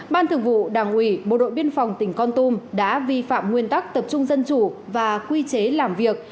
ban thường vụ đảng ủy bộ đội biên phòng tỉnh con tum đã vi phạm nguyên tắc tập trung dân chủ và quy chế làm việc